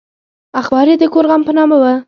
اخبار یې د کور غم په نامه و.